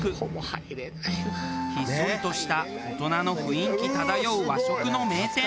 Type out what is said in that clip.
ひっそりとした大人の雰囲気漂う和食の名店。